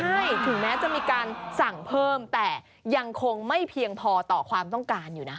ใช่ถึงแม้จะมีการสั่งเพิ่มแต่ยังคงไม่เพียงพอต่อความต้องการอยู่นะ